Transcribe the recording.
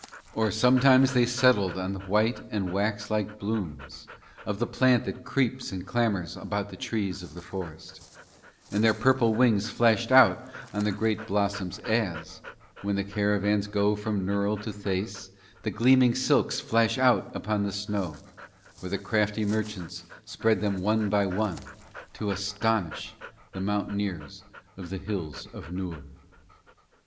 Or sometimes they settled on the white and wax like blooms of the plant that creeps and clambers about the trees of the forest; and their purple wings flashed out on the great blossoms as, when the caravans go from Nurl to Thace, the gleaming silks flash out upon the snow, where the crafty merchants spread them one by one to astonish the mountaineers of the Hills of Noor.